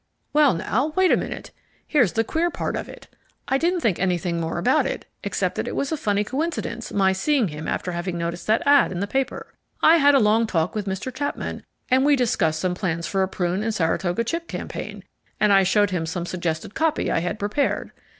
"Well, now, wait a minute. Here's the queer part of it. I didn't think anything more about it, except that it was a funny coincidence my seeing him after having noticed that ad in the paper. I had a long talk with Mr. Chapman, and we discussed some plans for a prune and Saratoga chip campaign, and I showed him some suggested copy I had prepared.